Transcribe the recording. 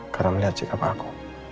karena melihat cikap aku